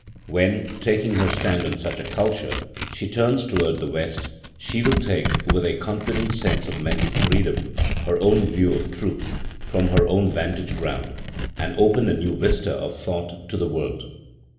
When, taking her stand on such a culture, she turns toward the West, she will take, with a confident sense of mental freedom, her own view of truth, from her own vantage ground, and open a new vista of thought to the world.